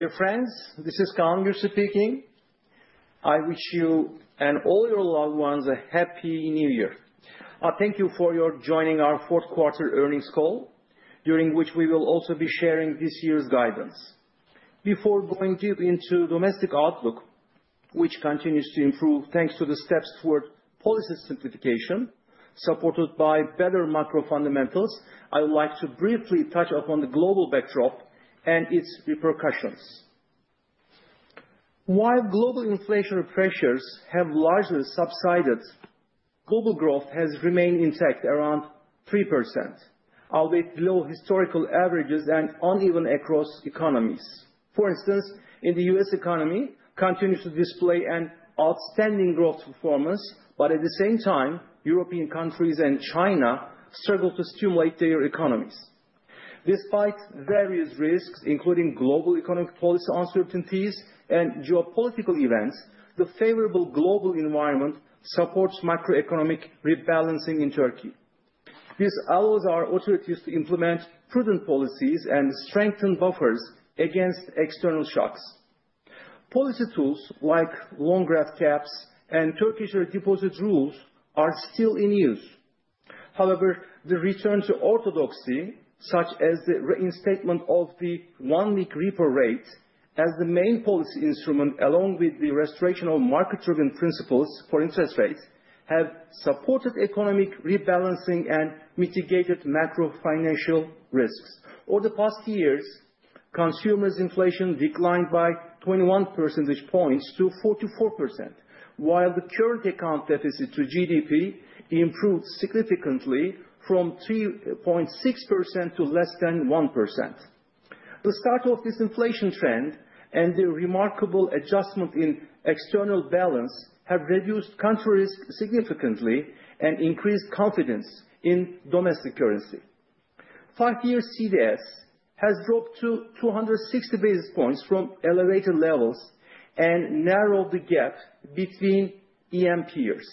Dear friends, this is Kaan Gür speaking. I wish you and all your loved ones a Happy New Year. Thank you for joining our fourth quarter earnings call, during which we will also be sharing this year's guidance. Before going deep into domestic outlook, which continues to improve thanks to the steps toward policy simplification supported by better macro fundamentals, I would like to briefly touch upon the global backdrop and its repercussions. While global inflationary pressures have largely subsided, global growth has remained intact around 3%, albeit below historical averages and uneven across economies. For instance, the U.S. economy continues to display an outstanding growth performance, but at the same time, European countries and China struggle to stimulate their economies. Despite various risks, including global economic policy uncertainties and geopolitical events, the favorable global environment supports macroeconomic rebalancing in Turkey. This allows our authorities to implement prudent policies and strengthen buffers against external shocks. Policy tools like loan growth caps and Turkish redeposit rules are still in use. However, the return to orthodoxy, such as the reinstatement of the one-week repo rate as the main policy instrument, along with the restoration of market-driven principles for interest rates, have supported economic rebalancing and mitigated macro financial risks. Over the past years, consumer inflation declined by 21 percentage points to 44%, while the current account deficit to GDP improved significantly from 3.6% to less than 1%. The start of this inflation trend and the remarkable adjustment in external balance have reduced country risk significantly and increased confidence in domestic currency. Five-year CDS has dropped to 260 basis points from elevated levels and narrowed the gap between EM peers.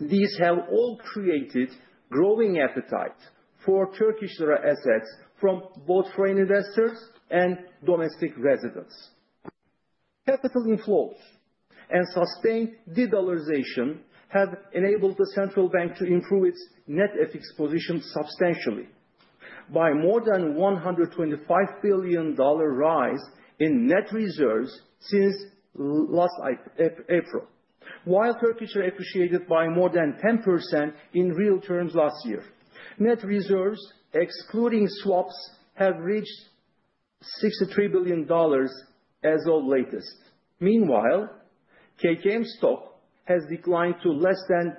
These have all created growing appetite for Turkish lira assets from both foreign investors and domestic residents. Capital inflows and sustained de-dollarization have enabled the central bank to improve its net FX position substantially by more than $125 billion rise in net reserves since last April, while the Turkish lira appreciated by more than 10% in real terms last year. Net reserves, excluding swaps, have reached $63 billion as of the latest. Meanwhile, KKM stock has declined to less than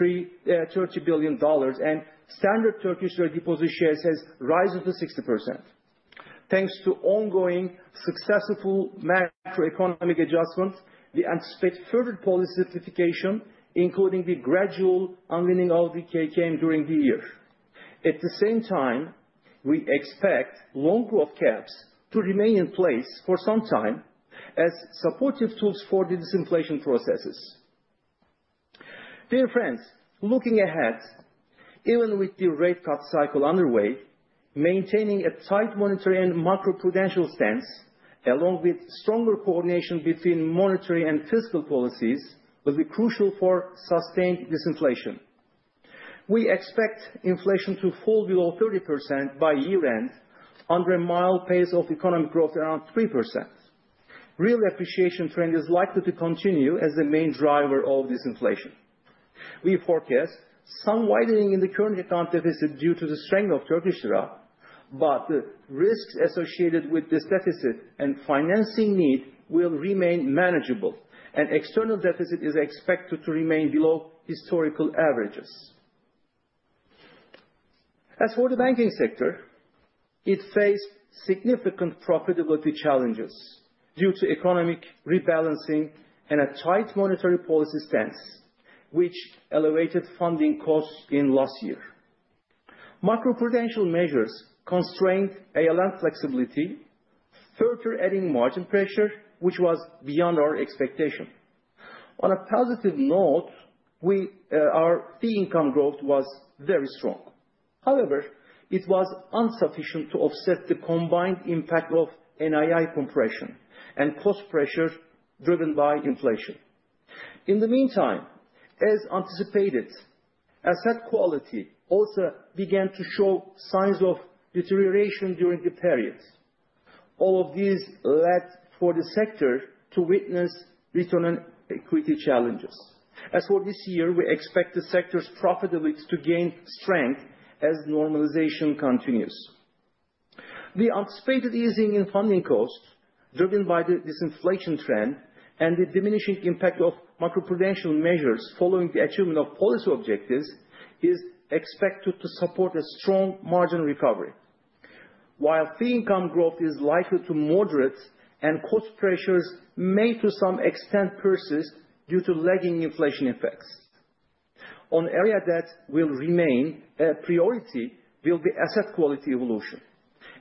$30 billion, and standard Turkish lira deposit shares have risen to 60%. Thanks to ongoing successful macroeconomic adjustments, we anticipate further policy simplification, including the gradual unwinding of the KKM during the year. At the same time, we expect loan growth caps to remain in place for some time as supportive tools for the disinflation processes. Dear friends, looking ahead, even with the rate cut cycle underway, maintaining a tight monetary and macroprudential stance, along with stronger coordination between monetary and fiscal policies, will be crucial for sustained disinflation. We expect inflation to fall below 30% by year-end under a mild pace of economic growth around 3%. Real appreciation trend is likely to continue as the main driver of disinflation. We forecast some widening in the current account deficit due to the strength of Turkish lira, but the risks associated with this deficit and financing need will remain manageable, and external deficit is expected to remain below historical averages. As for the banking sector, it faced significant profitability challenges due to economic rebalancing and a tight monetary policy stance, which elevated funding costs in last year. Macroprudential measures constrained ALM flexibility, further adding margin pressure, which was beyond our expectation. On a positive note, our fee income growth was very strong. However, it was insufficient to offset the combined impact of NII compression and cost pressures driven by inflation. In the meantime, as anticipated, asset quality also began to show signs of deterioration during the period. All of these led for the sector to witness return on equity challenges. As for this year, we expect the sector's profitability to gain strength as normalization continues. The anticipated easing in funding costs driven by the disinflation trend and the diminishing impact of macroprudential measures following the achievement of policy objectives is expected to support a strong margin recovery, while fee income growth is likely to moderate and cost pressures may to some extent persist due to lagging inflation effects. One area that will remain a priority will be asset quality evolution,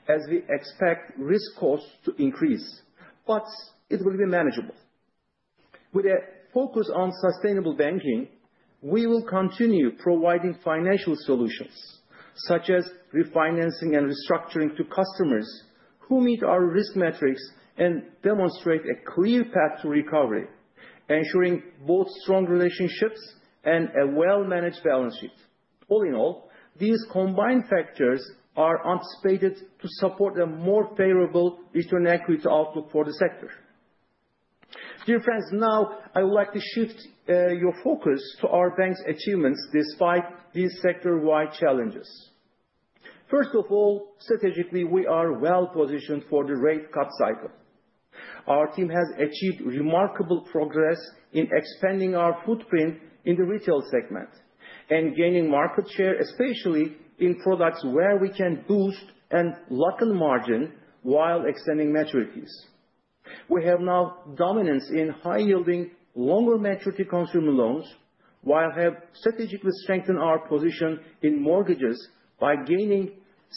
as we expect risk costs to increase, but it will be manageable. With a focus on sustainable banking, we will continue providing financial solutions, such as refinancing and restructuring to customers who meet our risk metrics and demonstrate a clear path to recovery, ensuring both strong relationships and a well-managed balance sheet. All in all, these combined factors are anticipated to support a more favorable return on equity outlook for the sector. Dear friends, now I would like to shift your focus to our bank's achievements despite these sector-wide challenges. First of all, strategically, we are well-positioned for the rate cut cycle. Our team has achieved remarkable progress in expanding our footprint in the retail segment and gaining market share, especially in products where we can boost and lock in margin while extending maturities. We have now dominance in high-yielding, longer-maturity consumer loans, while we have strategically strengthened our position in mortgages by gaining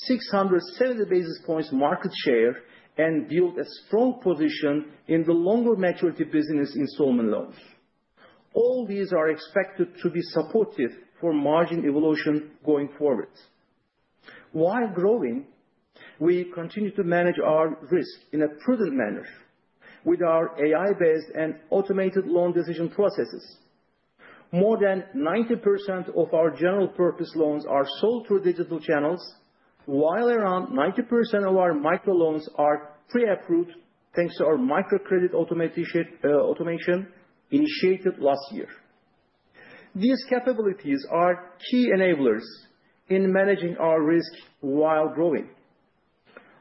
670 basis points market share and built a strong position in the longer-maturity business installment loans. All these are expected to be supportive for margin evolution going forward. While growing, we continue to manage our risk in a prudent manner with our AI-based and automated loan decision processes. More than 90% of our general-purpose loans are sold through digital channels, while around 90% of our microloans are pre-approved thanks to our microcredit automation initiated last year. These capabilities are key enablers in managing our risk while growing.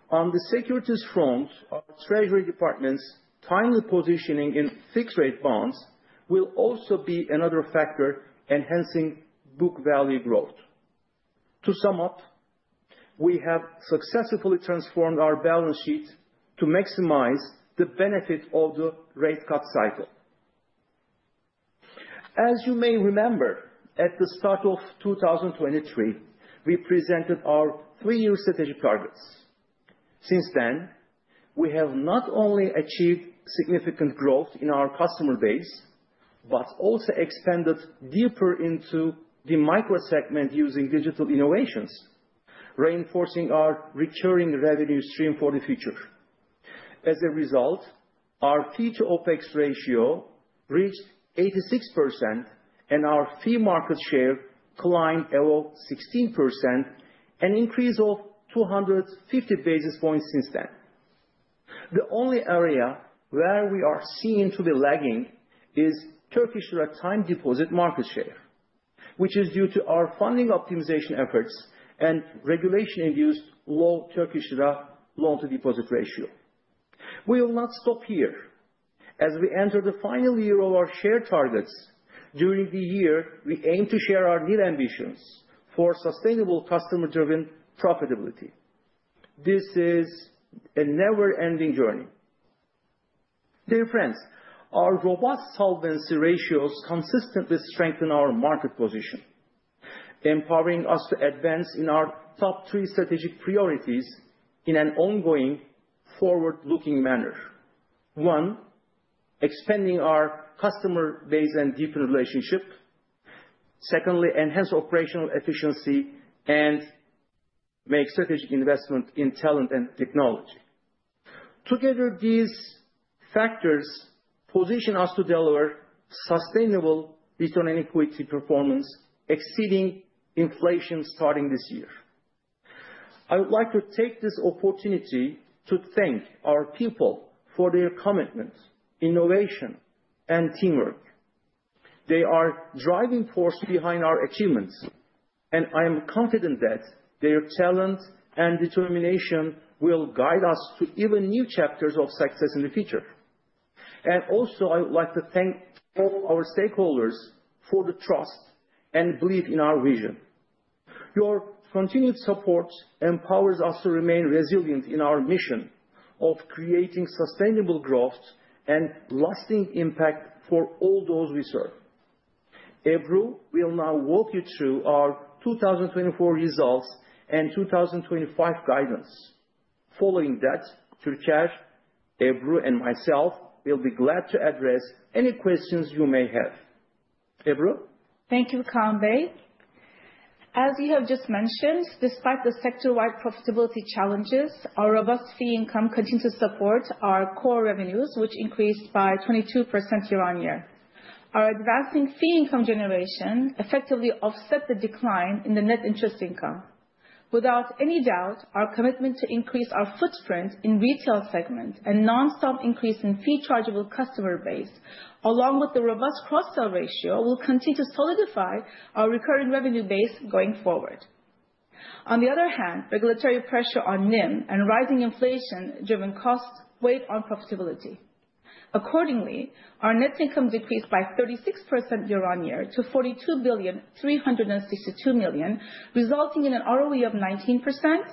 On the securities front, our treasury department's timely positioning in fixed-rate bonds will also be another factor enhancing book value growth. To sum up, we have successfully transformed our balance sheet to maximize the benefit of the rate cut cycle. As you may remember, at the start of 2023, we presented our three-year strategic targets. Since then, we have not only achieved significant growth in our customer base, but also expanded deeper into the microsegment using digital innovations, reinforcing our recurring revenue stream for the future. As a result, our fee-to-OpEx ratio reached 86%, and our fee market share climbed below 16%, an increase of 250 basis points since then. The only area where we are seen to be lagging is Turkish lira time deposit market share, which is due to our funding optimization efforts and regulation-induced low Turkish lira loan-to-deposit ratio. We will not stop here. As we enter the final year of our share targets, during the year, we aim to share our new ambitions for sustainable customer-driven profitability. This is a never-ending journey. Dear friends, our robust solvency ratios consistently strengthen our market position, empowering us to advance in our top three strategic priorities in an ongoing forward-looking manner. One, expanding our customer base and deepen relationship. Secondly, enhance operational efficiency and make strategic investment in talent and technology. Together, these factors position us to deliver sustainable return on equity performance exceeding inflation starting this year. I would like to take this opportunity to thank our people for their commitment, innovation, and teamwork. They are the driving force behind our achievements, and I am confident that their talent and determination will guide us to even new chapters of success in the future, and also, I would like to thank all our stakeholders for the trust and belief in our vision. Your continued support empowers us to remain resilient in our mission of creating sustainable growth and lasting impact for all those we serve. Ebru will now walk you through our 2024 results and 2025 guidance. Following that, Türker, Ebru and myself will be glad to address any questions you may have. Ebru. Thank you, Kaan Bey. As you have just mentioned, despite the sector-wide profitability challenges, our robust fee income continues to support our core revenues, which increased by 22% year-on-year. Our advancing fee income generation effectively offsets the decline in the net interest income. Without any doubt, our commitment to increase our footprint in the retail segment and nonstop increase in fee-chargeable customer base, along with the robust cross-sale ratio, will continue to solidify our recurring revenue base going forward. On the other hand, regulatory pressure on NIM and rising inflation-driven costs weigh on profitability. Accordingly, our net income decreased by 36% year-on-year to TL 42,362,000,000, resulting in an ROE of 19%,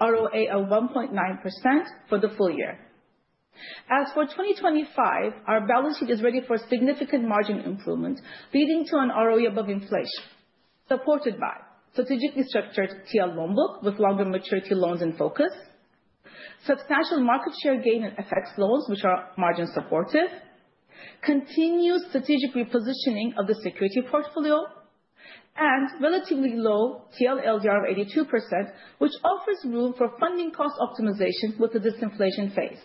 ROA of 1.9% for the full year. As for 2025, our balance sheet is ready for significant margin improvement, leading to an ROE above inflation, supported by strategically structured TL loan book with longer-maturity loans in focus, substantial market share gain in FX loans, which are margin-supportive, continued strategic repositioning of the security portfolio, and relatively low TL LDR of 82%, which offers room for funding cost optimization with the disinflation phase.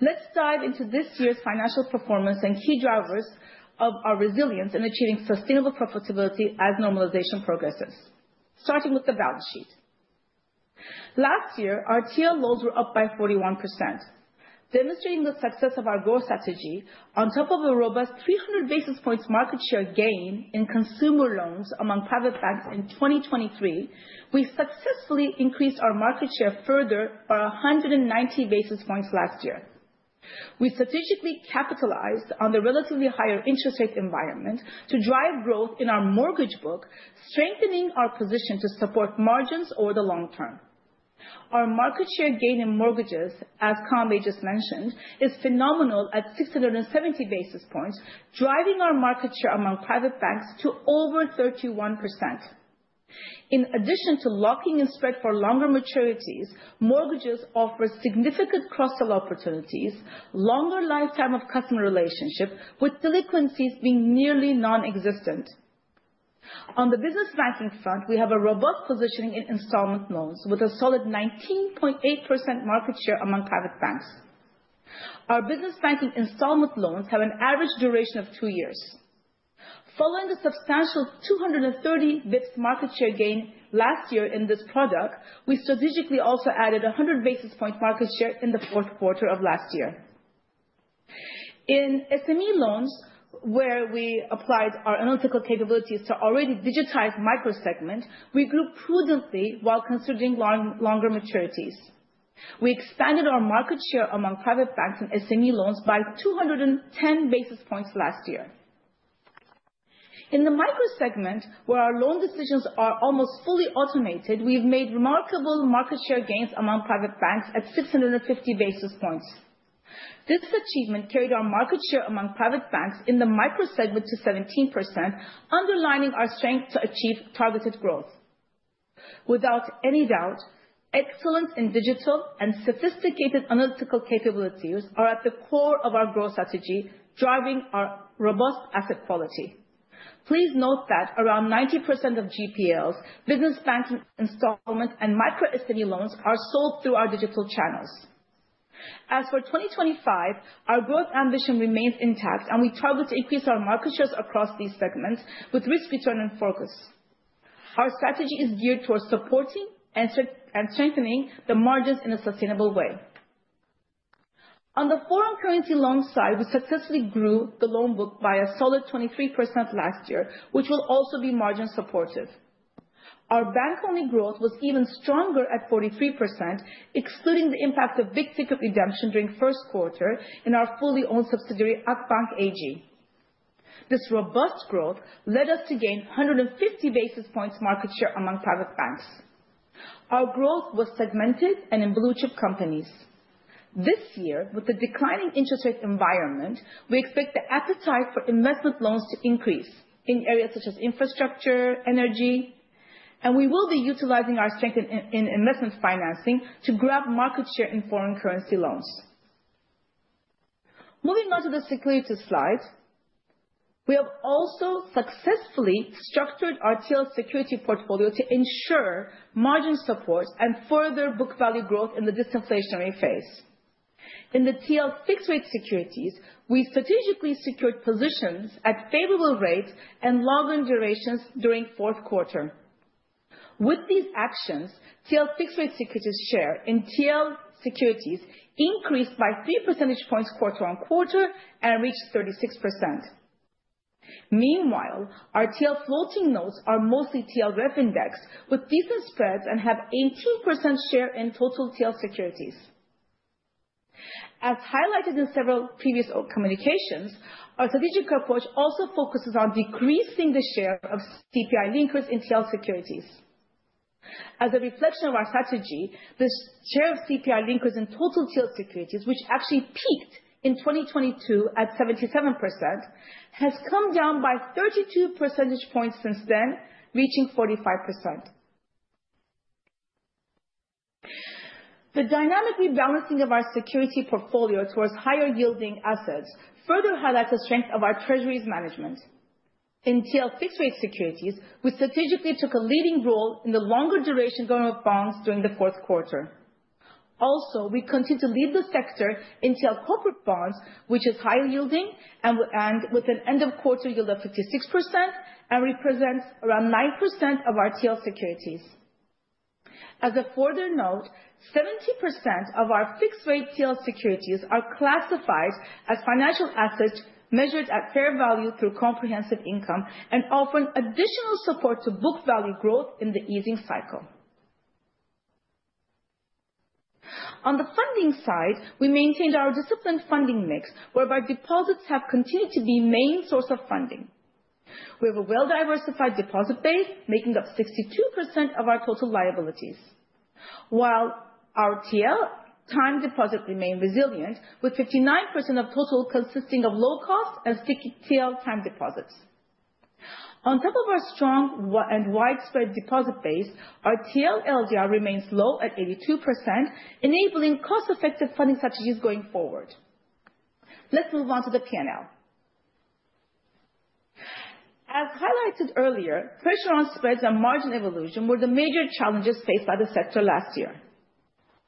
Let's dive into this year's financial performance and key drivers of our resilience in achieving sustainable profitability as normalization progresses, starting with the balance sheet. Last year, our TL loans were up by 41%, demonstrating the success of our growth strategy. On top of a robust 300 basis points market share gain in consumer loans among private banks in 2023, we successfully increased our market share further by 190 basis points last year. We strategically capitalized on the relatively higher interest rate environment to drive growth in our mortgage book, strengthening our position to support margins over the long term. Our market share gain in mortgages, as Kaan Bey just mentioned, is phenomenal at 670 basis points, driving our market share among private banks to over 31%. In addition to locking in spread for longer maturities, mortgages offer significant cross-sale opportunities, longer lifetime of customer relationship, with delinquencies being nearly nonexistent. On the business banking front, we have a robust positioning in installment loans with a solid 19.8% market share among private banks. Our business banking installment loans have an average duration of two years. Following the substantial 230 basis points market share gain last year in this product, we strategically also added 100 basis points market share in the fourth quarter of last year. In SME loans, where we applied our analytical capabilities to already digitized microsegment, we grew prudently while considering longer maturities. We expanded our market share among private banks in SME loans by 210 basis points last year. In the microsegment, where our loan decisions are almost fully automated, we've made remarkable market share gains among private banks at 650 basis points. This achievement carried our market share among private banks in the microsegment to 17%, underlining our strength to achieve targeted growth. Without any doubt, excellence in digital and sophisticated analytical capabilities are at the core of our growth strategy, driving our robust asset quality. Please note that around 90% of GPLs, business banking installment, and micro-SME loans are sold through our digital channels. As for 2025, our growth ambition remains intact, and we target to increase our market shares across these segments with risk return and focus. Our strategy is geared towards supporting and strengthening the margins in a sustainable way. On the foreign currency loan side, we successfully grew the loan book by a solid 23% last year, which will also be margin-supportive. Our bank-only growth was even stronger at 43%, excluding the impact of big ticket redemption during first quarter in our fully owned subsidiary Akbank AG. This robust growth led us to gain 150 basis points market share among private banks. Our growth was segmented and in blue-chip companies. This year, with the declining interest rate environment, we expect the appetite for investment loans to increase in areas such as infrastructure, energy, and we will be utilizing our strength in investment financing to grab market share in foreign currency loans. Moving on to the securities slide, we have also successfully structured our TL security portfolio to ensure margin support and further book value growth in the disinflationary phase. In the TL fixed-rate securities, we strategically secured positions at favorable rates and longer durations during fourth quarter. With these actions, TL fixed-rate securities share in TL securities increased by 3 percentage points quarter on quarter and reached 36%. Meanwhile, our TL floating notes are mostly TLREF indexed with decent spreads and have 18% share in total TL securities. As highlighted in several previous communications, our strategic approach also focuses on decreasing the share of CPI linkers in TL securities. As a reflection of our strategy, the share of CPI linkers in total TL securities, which actually peaked in 2022 at 77%, has come down by 32 percentage points since then, reaching 45%. The dynamic rebalancing of our security portfolio towards higher-yielding assets further highlights the strength of our treasuries management. In TL fixed-rate securities, we strategically took a leading role in the longer-duration government bonds during the fourth quarter. Also, we continue to lead the sector in TL corporate bonds, which is high-yielding and with an end-of-quarter yield of 56% and represents around 9% of our TL securities. As a further note, 70% of our fixed-rate TL securities are classified as financial assets measured at fair value through comprehensive income and offering additional support to book value growth in the easing cycle. On the funding side, we maintained our disciplined funding mix, whereby deposits have continued to be the main source of funding. We have a well-diversified deposit base, making up 62% of our total liabilities, while our TL time deposits remain resilient, with 59% of total consisting of low-cost and sticky TL time deposits. On top of our strong and widespread deposit base, our TL LDR remains low at 82%, enabling cost-effective funding strategies going forward. Let's move on to the P&L. As highlighted earlier, pressure on spreads and margin evolution were the major challenges faced by the sector last year.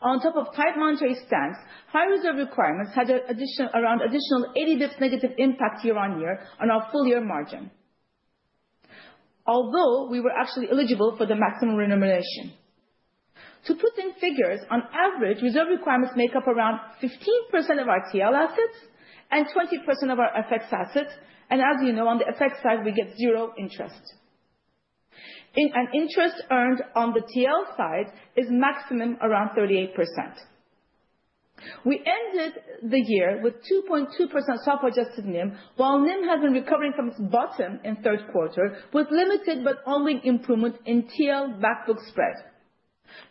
On top of tight monetary stance, high reserve requirements had an additional around 80 basis points negative impact year-on-year on our full-year margin, although we were actually eligible for the maximum remuneration. To put in figures, on average, reserve requirements make up around 15% of our TL assets and 20% of our FX assets, and as you know, on the FX side, we get zero interest. Interest earned on the TL side is maximum around 38%. We ended the year with 2.2% swap-adjusted NIM, while NIM has been recovering from its bottom in third quarter with limited but only improvement in TL back-book spread.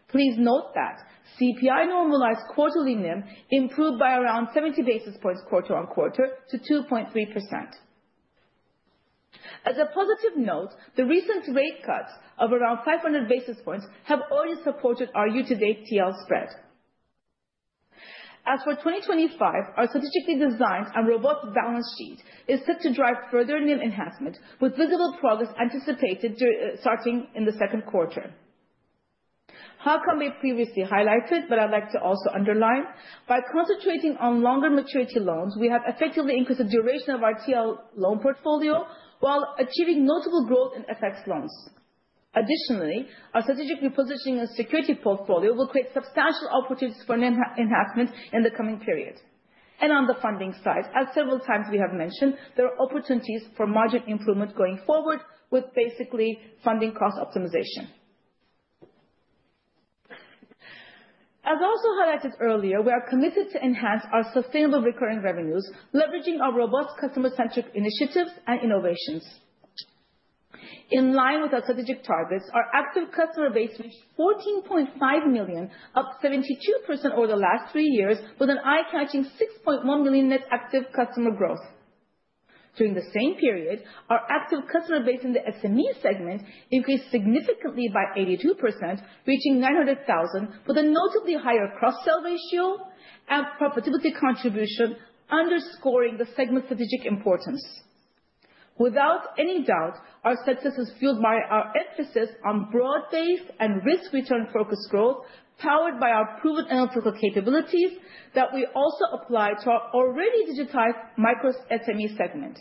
Please note that CPI normalized quarterly NIM improved by around 70 basis points quarter on quarter to 2.3%. As a positive note, the recent rate cuts of around 500 basis points have already supported our year-to-date TL spread. As for 2025, our strategically designed and robust balance sheet is set to drive further NIM enhancement with visible progress anticipated starting in the second quarter. As Kaan previously highlighted, but I'd like to also underline, by concentrating on longer maturity loans, we have effectively increased the duration of our TL loan portfolio while achieving notable growth in FX loans. Additionally, our strategic repositioning and security portfolio will create substantial opportunities for NIM enhancement in the coming period, and on the funding side, as several times we have mentioned, there are opportunities for margin improvement going forward with basically funding cost optimization. As I also highlighted earlier, we are committed to enhance our sustainable recurring revenues, leveraging our robust customer-centric initiatives and innovations. In line with our strategic targets, our active customer base reached 14.5 million, up 72% over the last three years, with an eye-catching 6.1 million net active customer growth. During the same period, our active customer base in the SME segment increased significantly by 82%, reaching 900,000, with a notably higher cross-sale ratio and profitability contribution, underscoring the segment's strategic importance. Without any doubt, our success is fueled by our emphasis on broad-based and risk-return-focused growth, powered by our proven analytical capabilities that we also apply to our already digitized micro-SME segment.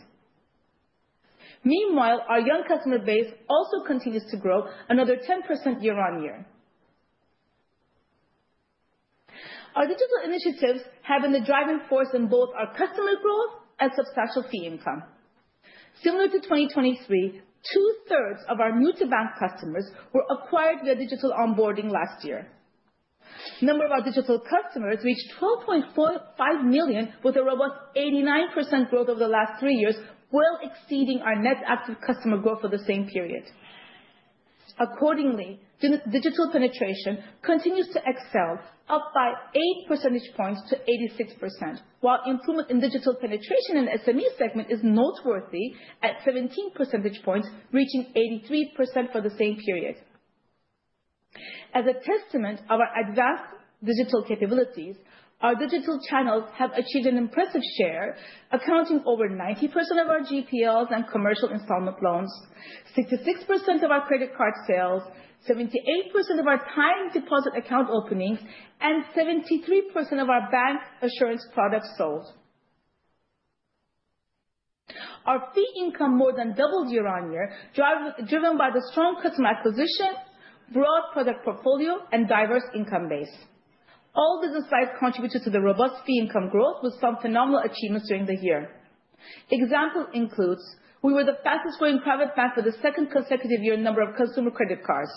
Meanwhile, our young customer base also continues to grow another 10% year-on-year. Our digital initiatives have been the driving force in both our customer growth and substantial fee income. Similar to 2023, two-thirds of our new-to-bank customers were acquired via digital onboarding last year. The number of our digital customers reached 12.5 million, with a robust 89% growth over the last three years, well exceeding our net active customer growth for the same period. Accordingly, digital penetration continues to excel, up by 8 percentage points to 86%, while improvement in digital penetration in the SME segment is noteworthy at 17 percentage points, reaching 83% for the same period. As a testament of our advanced digital capabilities, our digital channels have achieved an impressive share, accounting for over 90% of our GPLs and commercial installment loans, 66% of our credit card sales, 78% of our time deposit account openings, and 73% of our bancassurance products sold. Our fee income more than doubled year-on-year, driven by the strong customer acquisition, broad product portfolio, and diverse income base. All business sides contributed to the robust fee income growth with some phenomenal achievements during the year. Example includes we were the fastest-growing private bank for the second consecutive year in number of consumer credit cards.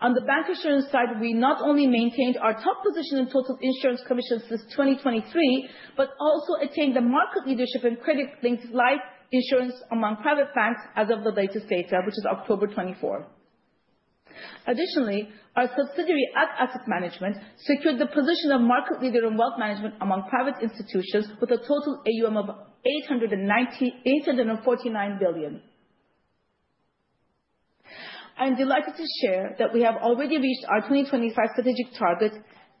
On the bancassurance side, we not only maintained our top position in total insurance commissions since 2023, but also attained the market leadership in credit-linked life insurance among private banks as of the latest data, which is October 24. Additionally, our subsidiary Akbank Asset Management secured the position of market leader in wealth management among private institutions with a total AUM of TL 849 billion. I'm delighted to share that we have already reached our 2025 strategic target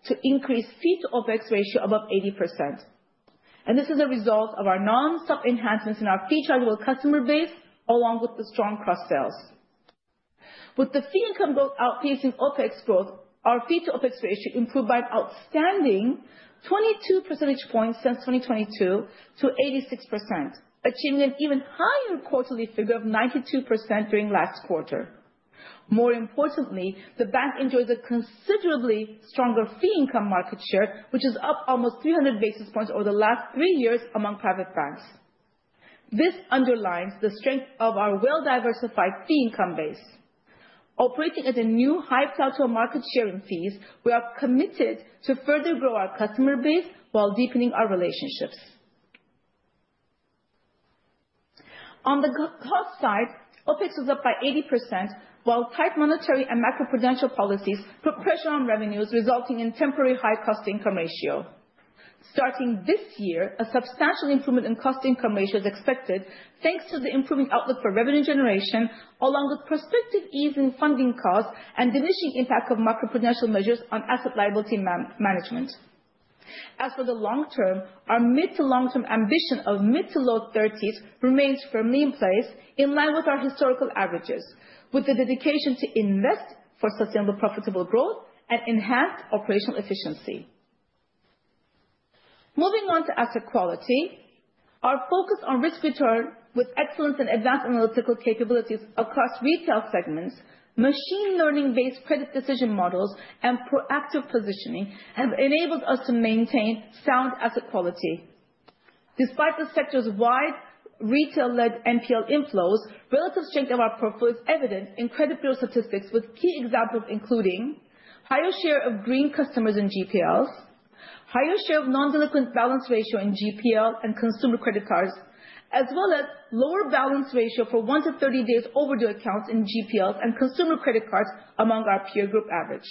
to increase fee-to-OpEx ratio above 80%. And this is a result of our nonstop enhancements in our fee-to-OpEx customer base, along with the strong cross-sales. With the fee income outpacing OpEx growth, our fee-to-OpEx ratio improved by an outstanding 22 percentage points since 2022 to 86%, achieving an even higher quarterly figure of 92% during last quarter. More importantly, the bank enjoys a considerably stronger fee income market share, which is up almost 300 basis points over the last three years among private banks. This underlines the strength of our well-diversified fee income base. Operating at a new high plateau market share in fees, we are committed to further grow our customer base while deepening our relationships. On the cost side, OpEx was up by 80%, while tight monetary and macroprudential policies put pressure on revenues, resulting in temporary high cost/income ratio. Starting this year, a substantial improvement in cost/income ratio is expected, thanks to the improving outlook for revenue generation, along with prospective easing funding costs and diminishing impact of macroprudential measures on asset liability management. As for the long term, our mid to long-term ambition of mid to low 30s remains firmly in place, in line with our historical averages, with the dedication to invest for sustainable profitable growth and enhanced operational efficiency. Moving on to asset quality, our focus on risk return with excellence in advanced analytical capabilities across retail segments, machine learning-based credit decision models, and proactive positioning have enabled us to maintain sound asset quality. Despite the sector-wide retail-led NPL inflows, relative strength of our portfolio is evident in credit bureau statistics, with key examples including a higher share of green customers in GPLs, a higher share of non-delinquent balance ratio in GPL and consumer credit cards, as well as a lower balance ratio for one to 30 days overdue accounts in GPLs and consumer credit cards among our peer group average.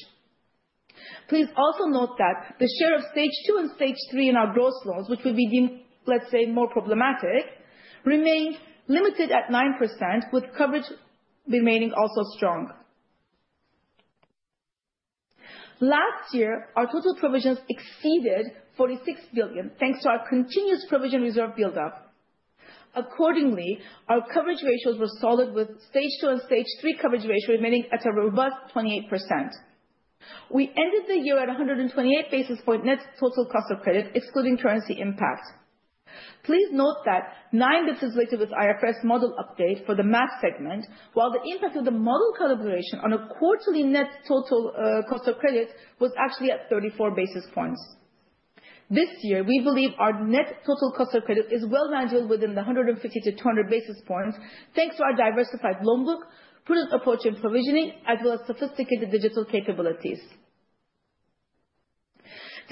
Please also note that the share of stage 2 and stage 3 in our gross loans, which would be deemed, let's say, more problematic, remains limited at 9%, with coverage remaining also strong. Last year, our total provisions exceeded TL 46 billion, thanks to our continuous provision reserve build-up. Accordingly, our coverage ratios were solid, with stage two and stage three coverage ratio remaining at a robust 28%. We ended the year at 128 basis points net total cost of credit, excluding currency impact. Please note that nine basis points inflated with IFRS model update for the Mass segment, while the impact of the model calibration on a quarterly net total cost of credit was actually at 34 basis points. This year, we believe our net total cost of credit is well managed within the 150 to 200 basis points, thanks to our diversified loan book, prudent approach in provisioning, as well as sophisticated digital capabilities.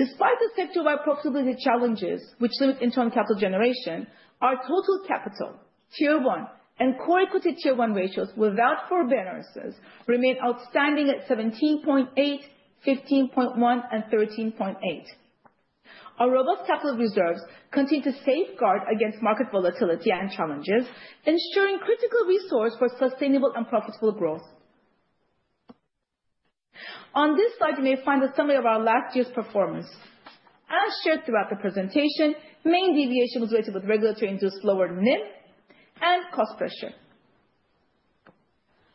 Despite the sector-wide profitability challenges, which limit internal capital generation, our total capital, Tier 1, and Core Equity Tier 1 ratios, without forbearances, remain outstanding at 17.8%, 15.1%, and 13.8%. Our robust capital reserves continue to safeguard against market volatility and challenges, ensuring critical resources for sustainable and profitable growth. On this slide, you may find a summary of our last year's performance. As shared throughout the presentation, main deviation was related with regulatory induced lower NIM and cost pressure.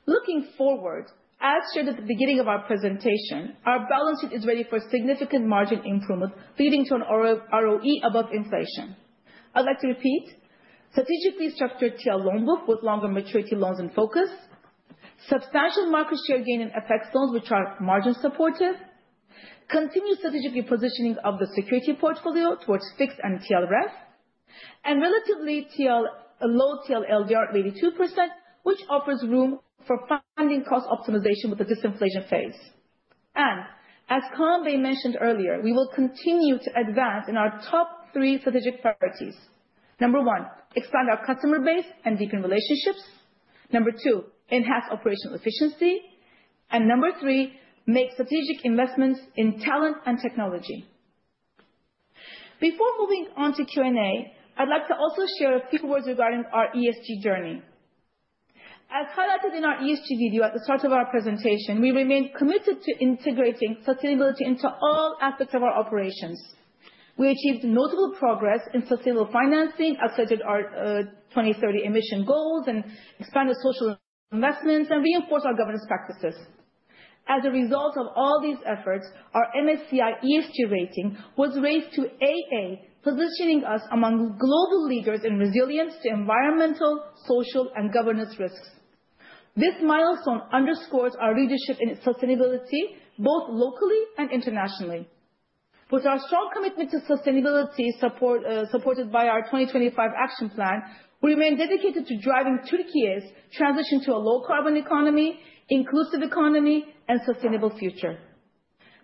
Looking forward, as shared at the beginning of our presentation, our balance sheet is ready for significant margin improvement, leading to an ROE above inflation. I'd like to repeat: strategically structured TL loan book with longer maturity loans in focus, substantial market share gain in FX loans, which are margin supportive, continued strategic repositioning of the securities portfolio towards fixed and TLREF, and relatively low TL LDR at 82%, which offers room for funding cost optimization with a disinflation phase. And as Kaan Bey mentioned earlier, we will continue to advance in our top three strategic priorities. Number one, expand our customer base and deepen relationships. Number two, enhance operational efficiency. And number three, make strategic investments in talent and technology. Before moving on to Q&A, I'd like to also share a few words regarding our ESG journey. As highlighted in our ESG video at the start of our presentation, we remain committed to integrating sustainability into all aspects of our operations. We achieved notable progress in sustainable financing, accelerated our 2030 emission goals, and expanded social investments, and reinforced our governance practices. As a result of all these efforts, our MSCI ESG rating was raised to AA, positioning us among global leaders in resilience to environmental, social, and governance risks. This milestone underscores our leadership in sustainability, both locally and internationally. With our strong commitment to sustainability supported by our 2025 action plan, we remain dedicated to driving Türkiye's transition to a low-carbon economy, inclusive economy, and sustainable future.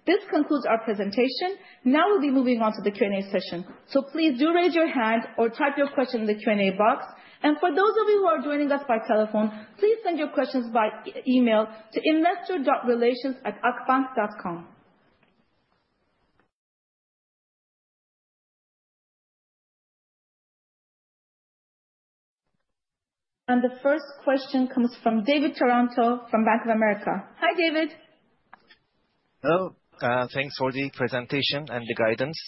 This concludes our presentation. Now we'll be moving on to the Q&A session. So please do raise your hand or type your question in the Q&A box. And for those of you who are joining us by telephone, please send your questions by email to investor.relations@akbank.com. And the first question comes from David Taranto from Bank of America. Hi, David. Hello. Thanks for the presentation and the guidance.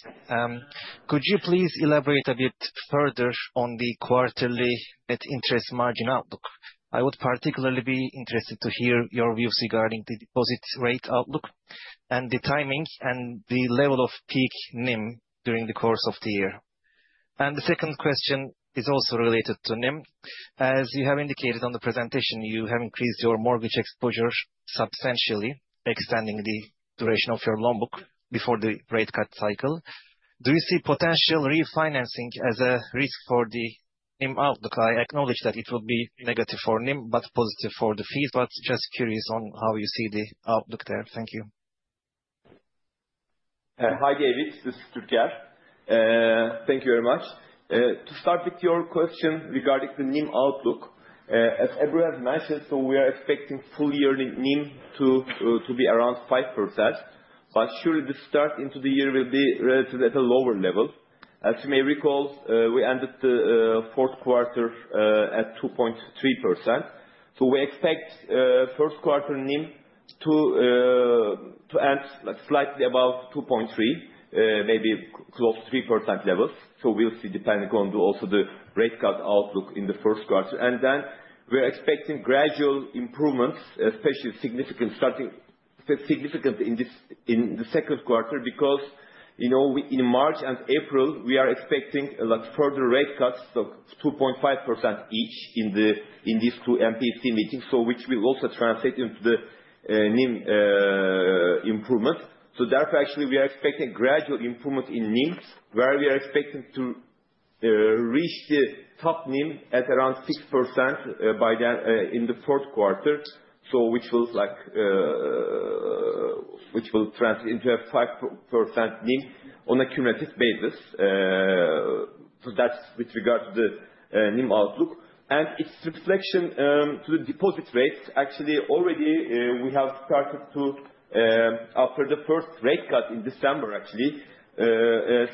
Could you please elaborate a bit further on the quarterly net interest margin outlook? I would particularly be interested to hear your views regarding the deposit rate outlook and the timing and the level of peak NIM during the course of the year. And the second question is also related to NIM. As you have indicated on the presentation, you have increased your mortgage exposure substantially, extending the duration of your loan book before the rate cut cycle. Do you see potential refinancing as a risk for the NIM outlook? I acknowledge that it would be negative for NIM, but positive for the fees, but just curious on how you see the outlook there. Thank you. Hi, David. This is Türker. Thank you very much. To start with your question regarding the NIM outlook, as Ebru has mentioned, so we are expecting full-yearly NIM to be around 5%, but surely the start into the year will be relatively at a lower level. As you may recall, we ended the fourth quarter at 2.3%, so we expect first quarter NIM to end slightly above 2.3, maybe close to 3% levels, so we'll see depending on also the rate cut outlook in the first quarter, and then we're expecting gradual improvements, especially significant in the second quarter, because in March and April, we are expecting further rate cuts, so 2.5% each in these two MPC meetings, which will also translate into the NIM improvement. So therefore, actually, we are expecting a gradual improvement in NIM, where we are expecting to reach the top NIM at around 6% in the fourth quarter, which will translate into a 5% NIM on a cumulative basis. So that's with regard to the NIM outlook. And its reflection to the deposit rates, actually, already we have started to, after the first rate cut in December, actually,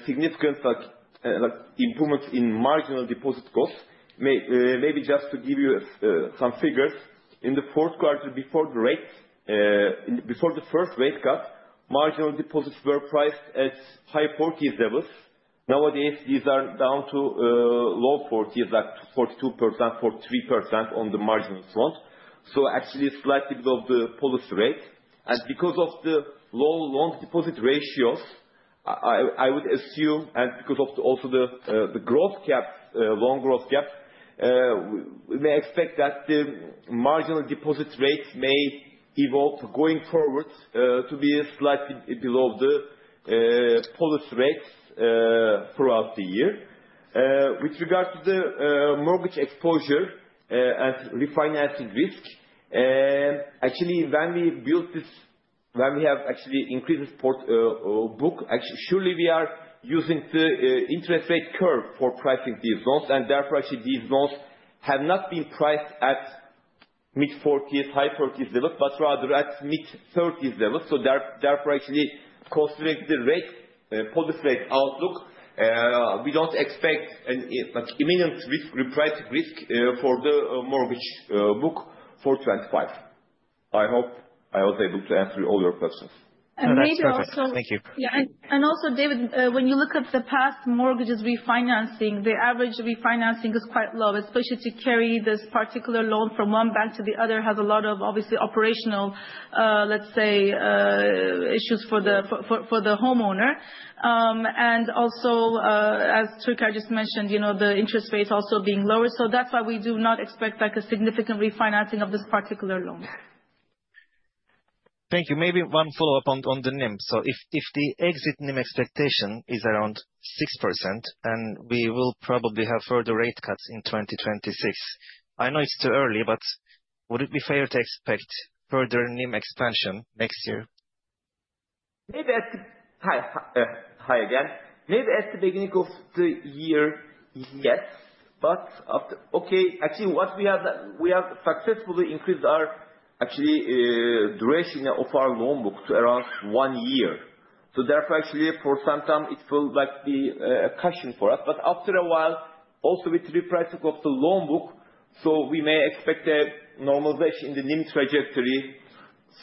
significant improvements in marginal deposit costs. Maybe just to give you some figures, in the fourth quarter before the first rate cut, marginal deposits were priced at high 40s levels. Nowadays, these are down to low 40s, like 42%, 43% on the marginal front. So actually, slightly below the policy rate. And because of the low loan deposit ratios, I would assume, and because of also the growth gaps, long growth gaps, we may expect that the marginal deposit rates may evolve going forward to be slightly below the policy rates throughout the year. With regard to the mortgage exposure and refinancing risk, actually, when we built this, when we have actually increased the book, actually, surely we are using the interest rate curve for pricing these loans. And therefore, actually, these loans have not been priced at mid 40s, high 40s levels, but rather at mid 30s levels. So therefore, actually, considering the policy rate outlook, we don't expect an imminent repricing risk for the mortgage book for 2025. I hope I was able to answer all your questions. Thank you. Thank you. Yeah. Also, David, when you look at the past mortgages refinancing, the average refinancing is quite low, especially to carry this particular loan from one bank to the other has a lot of, obviously, operational, let's say, issues for the homeowner. And also, as Türker just mentioned, the interest rate also being lower. So that's why we do not expect a significant refinancing of this particular loan. Thank you. Maybe one follow-up on the NIM. So if the exit NIM expectation is around 6%, and we will probably have further rate cuts in 2026, I know it's too early, but would it be fair to expect further NIM expansion next year? Maybe at the high again, maybe at the beginning of the year, yes. But after, okay, actually, what we have successfully increased our actual duration of our loan book to around one year. So therefore, actually, for some time, it will be a caution for us. But after a while, also with repricing of the loan book, so we may expect a normalization in the NIM trajectory.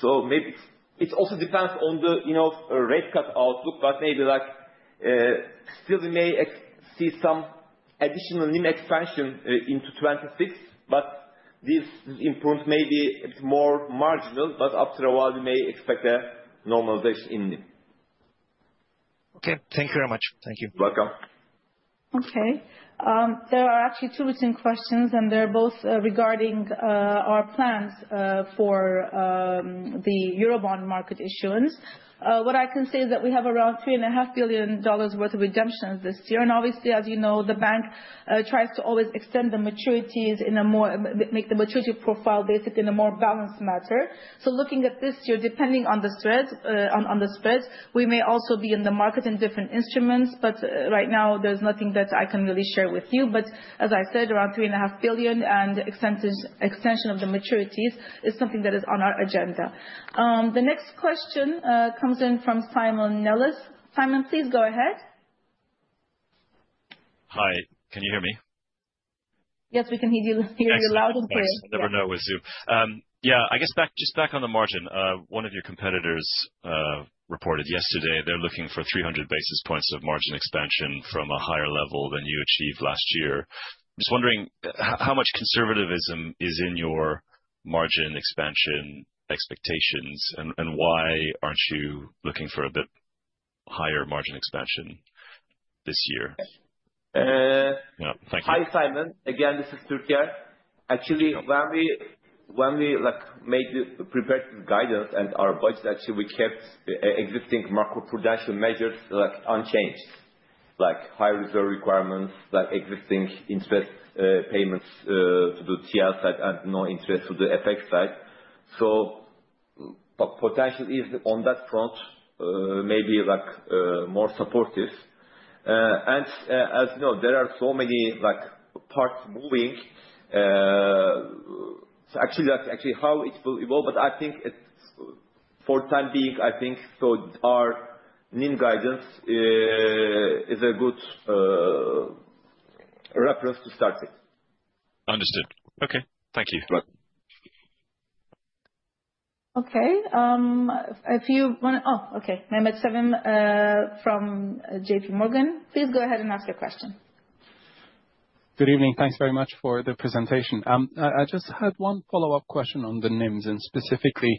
So maybe it also depends on the rate cut outlook, but maybe still we may see some additional NIM expansion into 2026. But this improvement may be a bit more marginal, but after a while, we may expect a normalization in NIM. Okay. Thank you very much. Thank you. You're welcome. Okay. There are actually two routine questions, and they're both regarding our plans for the Eurobond market issuance. What I can say is that we have around $3.5 billion worth of redemptions this year. And obviously, as you know, the bank tries to always extend the maturities in a more make the maturity profile basically in a more balanced matter. So looking at this year, depending on the spreads, we may also be in the market in different instruments, but right now, there's nothing that I can really share with you. But as I said, around $3.5 billion and extension of the maturities is something that is on our agenda. The next question comes in from Simon Nellis. Simon, please go ahead. Hi. Can you hear me? Yes, we can hear you loud and clear. Never know with Zoom. Yeah, I guess just back on the margin, one of your competitors reported yesterday they're looking for 300 basis points of margin expansion from a higher level than you achieved last year. I'm just wondering how much conservatism is in your margin expansion expectations and why aren't you looking for a bit higher margin expansion this year? Yeah. Thank you. Hi, Simon. Again, this is Türker. Actually, when we prepared this guidance and our budget, actually, we kept existing macroprudential measures unchanged, like high reserve requirements, existing interest payments to the TL side and no interest to the FX side. So potential is on that front, maybe more supportive. And as you know, there are so many parts moving. So actually, how it will evolve, but I think for the time being, I think so. Our NIM guidance is a good reference to start with. Understood. Okay. Thank you. Okay. If you want to oh, okay. Mehmet Sevim from J.P. Morgan. Please go ahead and ask your question. Good evening. Thanks very much for the presentation. I just had one follow-up question on the NIMs and specifically,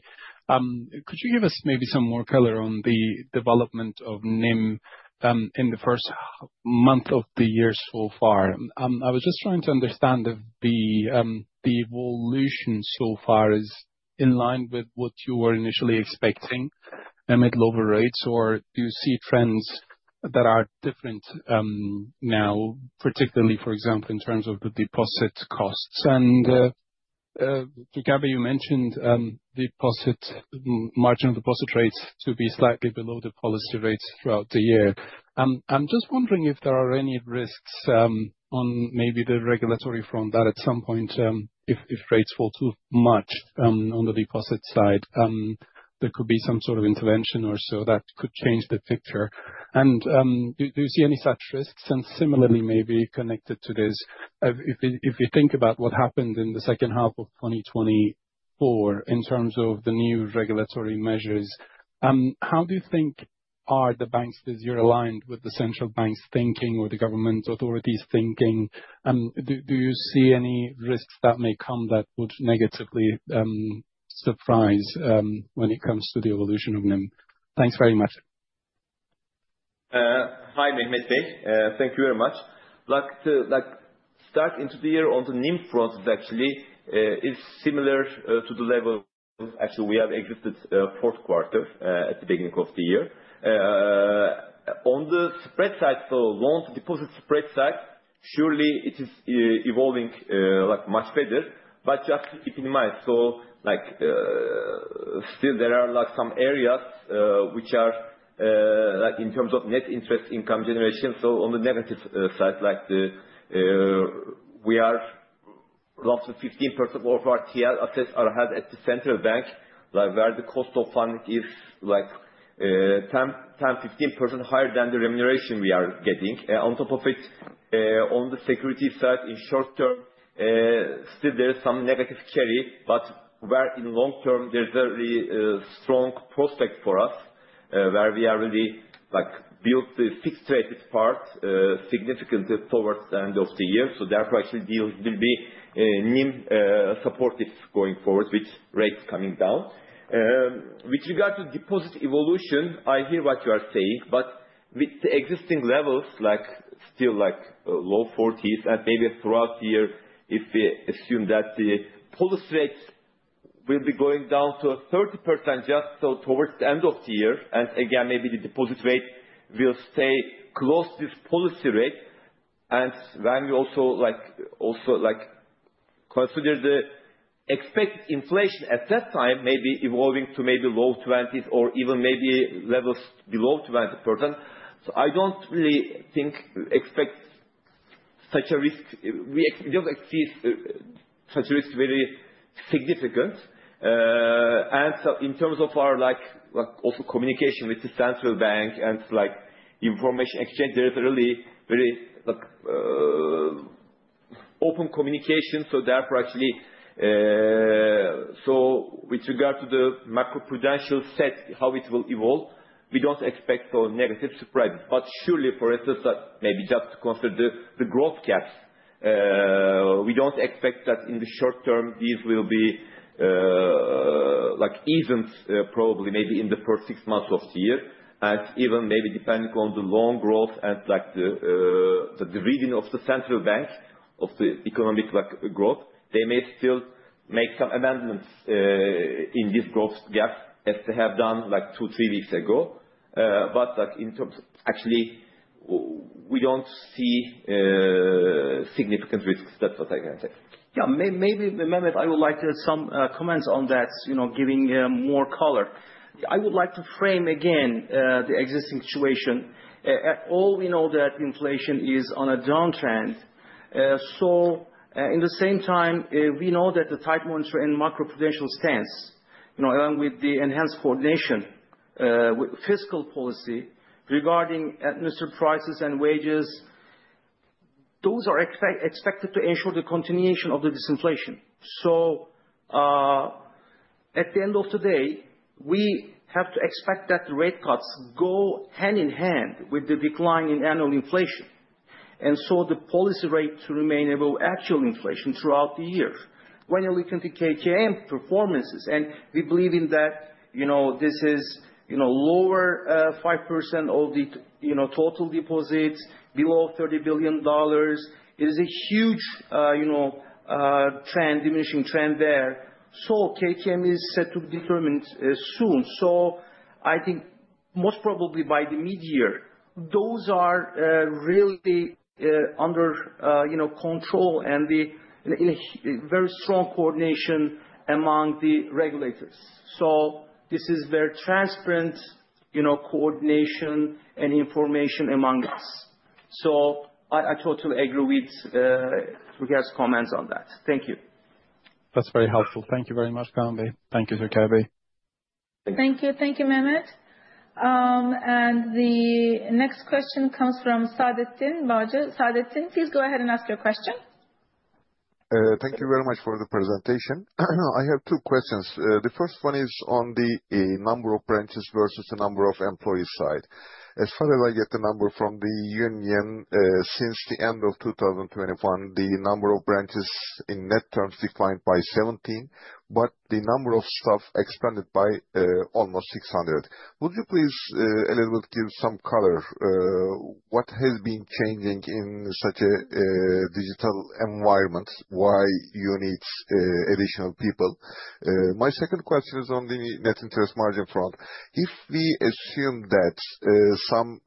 could you give us maybe some more color on the development of NIM in the first month of the year so far? I was just trying to understand if the evolution so far is in line with what you were initially expecting, middle over rates, or do you see trends that are different now, particularly, for example, in terms of the deposit costs? And together, you mentioned margin of deposit rates to be slightly below the policy rates throughout the year. I'm just wondering if there are any risks on maybe the regulatory front that at some point, if rates fall too much on the deposit side, there could be some sort of intervention or so that could change the picture. And do you see any such risks? Similarly, maybe connected to this, if you think about what happened in the second half of 2024 in terms of the new regulatory measures, how do you think are the banks this year aligned with the central bank's thinking or the government authorities' thinking? Do you see any risks that may come that would negatively surprise when it comes to the evolution of NIM? Thanks very much. Hi, Mehmet Bey. Thank you very much. Starting into the year on the NIM front, actually, is similar to the level actually we have exited fourth quarter at the beginning of the year. On the spread side, so loan to deposit spread side, surely it is evolving much better, but just keep in mind. So still, there are some areas which are in terms of net interest income generation. So on the negative side, we are around 15% of our TL assets are held at the central bank, where the cost of funding is 10%-15% higher than the remuneration we are getting. On top of it, on the security side in short term, still there is some negative carry, but where in long term, there's a strong prospect for us where we are really built the fixed rated part significantly towards the end of the year. So therefore, actually, deals will be NIM supportive going forward with rates coming down. With regard to deposit evolution, I hear what you are saying, but with the existing levels, still low 40s%, and maybe throughout the year, if we assume that the policy rates will be going down to 30% just towards the end of the year, and again, maybe the deposit rate will stay close to this policy rate. And when we also consider the expected inflation at that time, maybe evolving to maybe low 20s or even maybe levels below 20%. So I don't really expect such a risk. We don't see such risk very significant. And in terms of our also communication with the central bank and information exchange, there is really very open communication. So therefore, actually, with regard to the macroprudential set, how it will evolve, we don't expect so negative surprises. But surely, for instance, maybe just to consider the growth caps, we don't expect that in the short term, these will be eased probably maybe in the first six months of the year. And even maybe depending on the loan growth and the reading of the central bank of the economic growth, they may still make some amendments in this growth cap as they have done two or three weeks ago. But in terms of actually, we don't see significant risks. That's what I can say. Yeah. Maybe, Mehmet, I would like to add some comments on that, giving more color. I would like to frame again the existing situation. As we all know that inflation is on a downtrend. So at the same time, we know that the tight monetary and macroprudential stance, along with the enhanced coordination with fiscal policy regarding administrative prices and wages, those are expected to ensure the continuation of the disinflation. So at the end of the day, we have to expect that the rate cuts go hand in hand with the decline in annual inflation. And so the policy rate to remain above actual inflation throughout the year. When you look into KKM performances, and we believe in that this is lower 5% of the total deposits below $30 billion. It is a huge diminishing trend there. So KKM is set to be determined soon. So I think most probably by the mid-year, those are really under control and in a very strong coordination among the regulators. So this is very transparent coordination and information among us. So I totally agree with Türker's comments on that. Thank you. That's very helpful. Thank you very much, Gamze. Thank you, Türker Bey. Thank you. Thank you, Mehmet. And the next question comes from Sadrettin Bağcı. Sadrettin, please go ahead and ask your question. Thank you very much for the presentation. I have two questions. The first one is on the number of branches versus the number of employees side. As far as I get the number from the union, since the end of 2021, the number of branches in net terms declined by 17, but the number of staff expanded by almost 600. Would you please, a little bit, give some color? What has been changing in such a digital environment? Why do you need additional people? My second question is on the net interest margin front. If we assume that some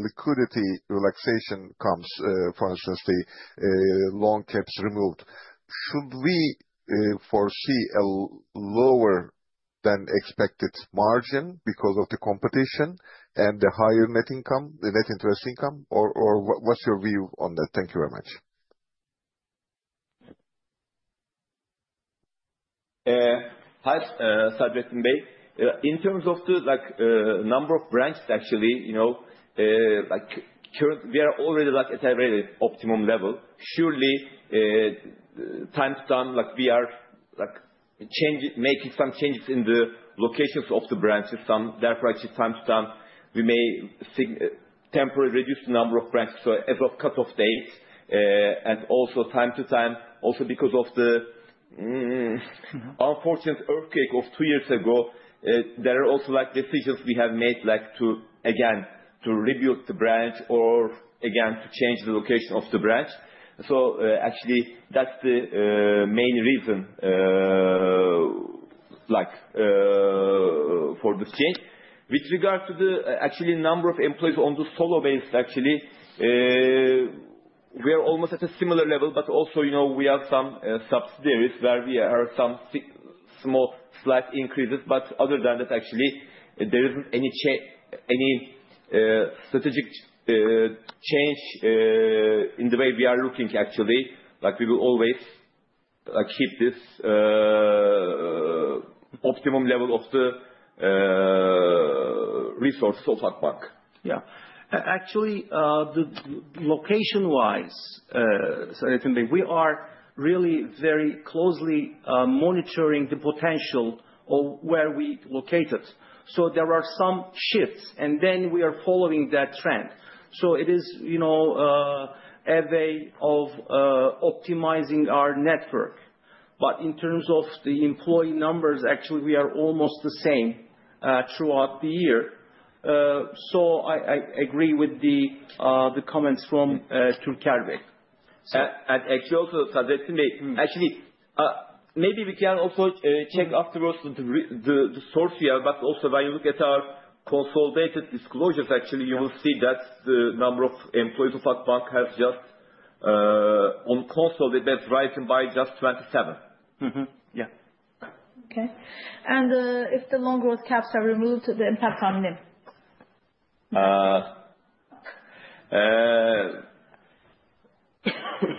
liquidity relaxation comes, for instance, the loan caps removed, should we foresee a lower than expected margin because of the competition and the higher net income, the net interest income? Or what's your view on that? Thank you very much. Hi, Sadrettin Bey. In terms of the number of branches, actually, we are already at a very optimum level. Surely, from time to time, we are making some changes in the locations of the branches. Therefore, actually, from time to time, we may temporarily reduce the number of branches as of cut-off date. And also from time to time, also because of the unfortunate earthquake of two years ago, there are also decisions we have made again to rebuild the branch or again to change the location of the branch. So actually, that's the main reason for this change. With regard to the actual number of employees on the solo basis, actually, we are almost at a similar level, but also we have some subsidiaries where we have some small slight increases. But other than that, actually, there isn't any strategic change in the way we are looking, actually. We will always keep this optimum level of the resources of Akbank. Yeah. Actually, location-wise, Sadrettin Bey, we are really very closely monitoring the potential of where we located. So there are some shifts, and then we are following that trend. So it is a way of optimizing our network. But in terms of the employee numbers, actually, we are almost the same throughout the year. So I agree with the comments from Türker Bey. Actually, also, Sadrettin Bey, actually, maybe we can also check afterwards the source here, but also when you look at our consolidated disclosures, actually, you will see that the number of employees of Akbank has just on consolidated risen by just 27. Yeah. Okay. And if the loan growth caps are removed, the impact on NIM?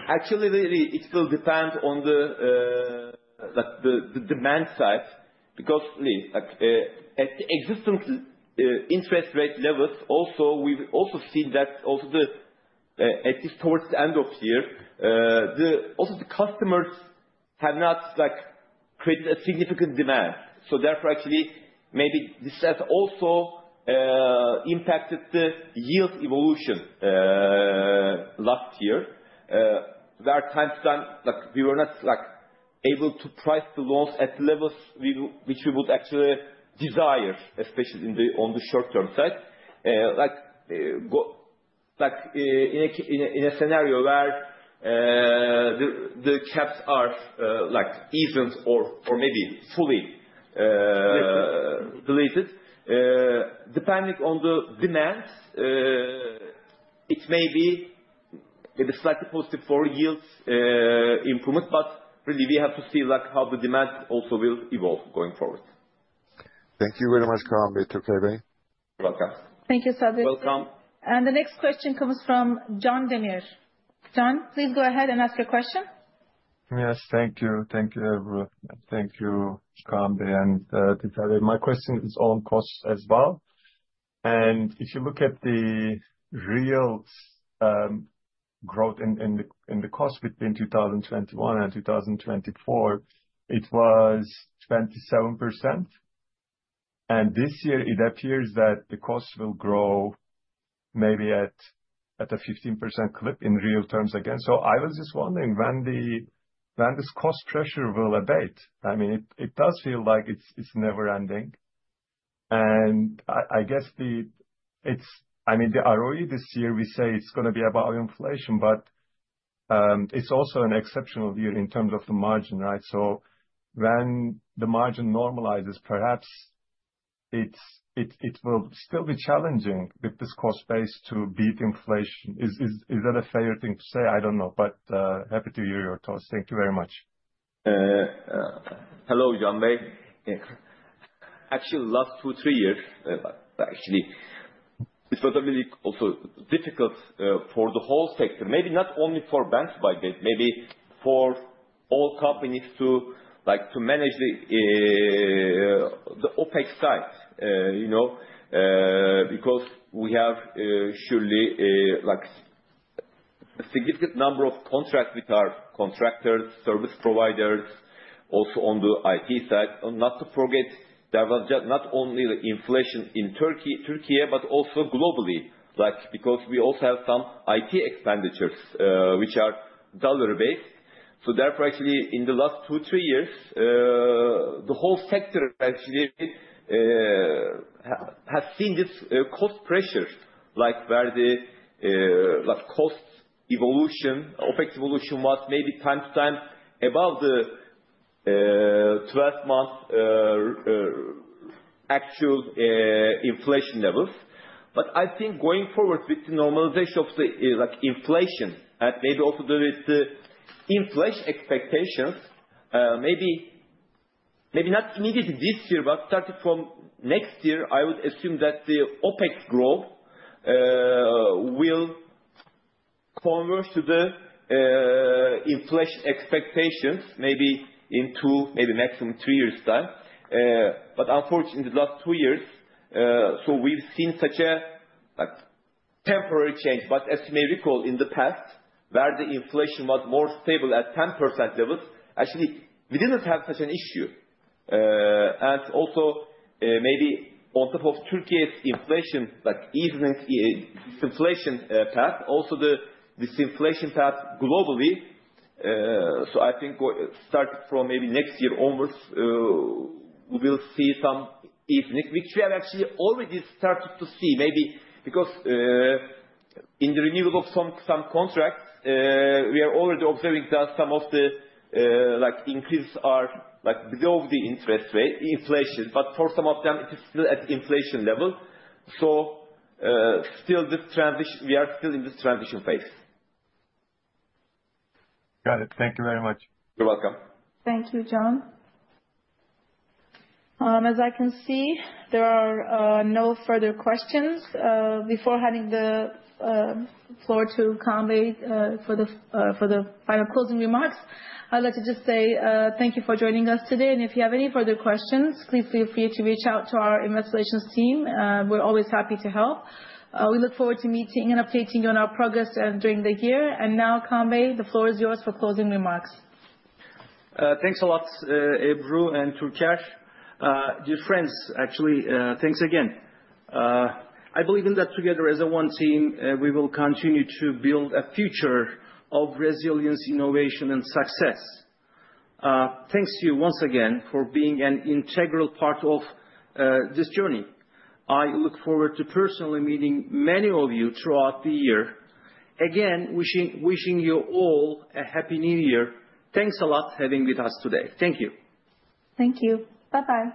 Actually, it will depend on the demand side because at the existing interest rate levels, we've also seen that also at least towards the end of year, also the customers have not created a significant demand. So therefore, actually, maybe this has also impacted the yield evolution last year. There are times when we were not able to price the loans at levels which we would actually desire, especially on the short-term side. In a scenario where the caps are eased or maybe fully deleted, depending on the demand, it may be slightly positive for yield improvement, but really, we have to see how the demand also will evolve going forward. Thank you very much, Kaan Bey, Türker Bey. You're welcome. Thank you, Sadrettin. Welcome. And the next question comes from Can Demir. Can, please go ahead and ask your question. Yes, thank you. Thank you, Ebru. Thank you, Kaan Bey and Türker Bey. My question is on costs as well. And if you look at the real growth in the cost between 2021 and 2024, it was 27%. And this year, it appears that the cost will grow maybe at a 15% clip in real terms again. So I was just wondering when this cost pressure will abate. I mean, it does feel like it's never-ending. And I guess the, I mean, the ROE this year, we say it's going to be about inflation, but it's also an exceptional year in terms of the margin, right? So when the margin normalizes, perhaps it will still be challenging with this cost base to beat inflation. Is that a fair thing to say? I don't know, but happy to hear your thoughts. Thank you very much. Hello, Can Bey. Actually, last two, three years, actually, it was really also difficult for the whole sector, maybe not only for banks, but maybe for all companies to manage the OpEx side because we have surely a significant number of contracts with our contractors, service providers, also on the IT side. Not to forget, there was not only the inflation in Turkey, but also globally because we also have some IT expenditures which are dollar-based. So therefore, actually, in the last two, three years, the whole sector actually has seen this cost pressure where the cost evolution, OpEx evolution was maybe time to time above the 12-month actual inflation levels. But I think going forward with the normalization of the inflation and maybe also with the inflation expectations, maybe not immediately this year, but starting from next year, I would assume that the OpEx growth will converge to the inflation expectations maybe in two, maybe maximum three years' time. But unfortunately, in the last two years, so we've seen such a temporary change. But as you may recall, in the past, where the inflation was more stable at 10% levels, actually, we didn't have such an issue. And also maybe on top of Türkiye's inflation path, also the disinflation path globally. So I think starting from maybe next year onwards, we will see some easing, which we have actually already started to see maybe because in the renewal of some contracts, we are already observing that some of the increases are below the inflation. But for some of them, it is still at inflation level. So still, we are still in this transition phase. Got it. Thank you very much. You're welcome. Thank you, Can. As I can see, there are no further questions. Before handing the floor to Kaan Bey for the final closing remarks, I'd like to just say thank you for joining us today. And if you have any further questions, please feel free to reach out to our Investor Relations team. We're always happy to help. We look forward to meeting and updating you on our progress during the year. And now, Kaan Bey, the floor is yours for closing remarks. Thanks a lot, Ebru and Türker. Dear friends, actually, thanks again. I believe in that together as one team, we will continue to build a future of resilience, innovation, and success. Thanks to you once again for being an integral part of this journey. I look forward to personally meeting many of you throughout the year. Again, wishing you all a happy New Year. Thanks a lot for having with us today. Thank you. Thank you. Bye-bye.